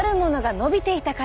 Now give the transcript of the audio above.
伸びていたから？